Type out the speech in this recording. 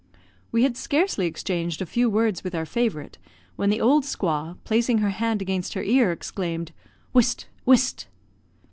We had scarcely exchanged a few words with our favourite, when the old squaw, placing her hand against her ear, exclaimed, "Whist! whist!"